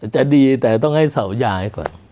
จะดีแต่ต้องให้เสาย้ายก่อน